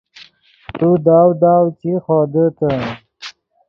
تو داؤ داؤ چی خودیتے